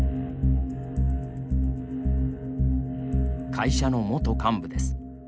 会社の元幹部です。